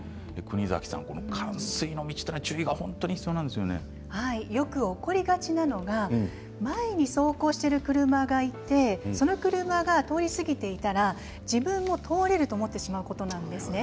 冠水の道はよく起こりがちなのが前を走行している車がいてその車が通り過ぎていたら自分も通れると思ってしまうことなんですね。